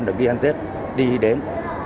được ghi hành tết đi đến